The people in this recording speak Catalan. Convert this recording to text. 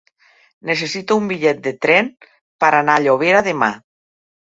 Necessito un bitllet de tren per anar a Llobera demà.